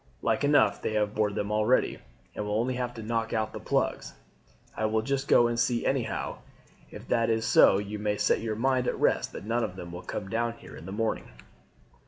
Like enough they have bored them already, and will only have to knock out the plugs. I will just go and see anyhow. If that is so you may set your mind at rest that none of them will come down here in the morning."